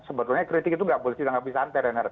sebetulnya kritik itu nggak boleh ditanggapi santai reinhard